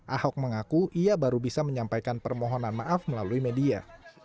ahok mengaku ia baru bisa menyampaikan permohonan maaf melalui media